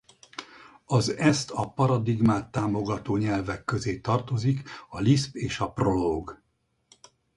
Az ezt a paradigmát támogató nyelvek közé tartozik a Lisp és a Prolog.